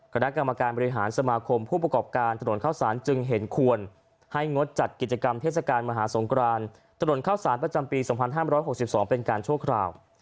คณะกรรมการบริหารสมาคมผู้ประกอบการถนนข้าวสารจึงเห็นควรให้งดจัดกิจกรรมเทศกาลมหาสงครานถนนข้าวสารประจำปี๒๕๖๒เป็นการชั่วคราว